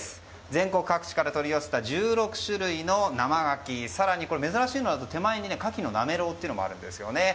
全国各地から取り寄せた１６種類の生ガキ更に珍しいのは手前にカキのなめろうもあるんです。